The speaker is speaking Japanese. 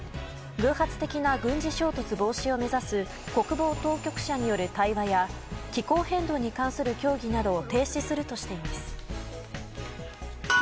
偶発的な軍事衝突防止を目指す国防当局者による対話や気候変動に関する協議などを停止するとしています。